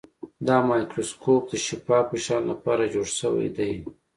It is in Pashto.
دا مایکروسکوپ د شفافو شیانو لپاره جوړ شوی دی.